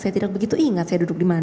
saya tidak begitu ingat saya duduk di mana